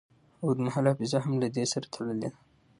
اوږدمهاله حافظه هم له دې سره تړلې ده.